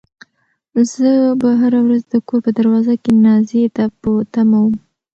زه به هره ورځ د کور په دروازه کې نازيې ته په تمه وم.